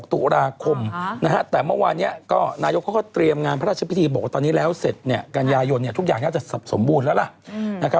ตุลาคมแต่เมื่อวานนี้ก็นายกเขาก็เตรียมงานพระราชพิธีบอกว่าตอนนี้แล้วเสร็จกันยายนทุกอย่างน่าจะสับสมบูรณ์แล้วล่ะ